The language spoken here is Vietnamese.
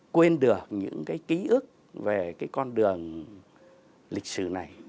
quên được những cái ký ức về cái con đường lịch sử này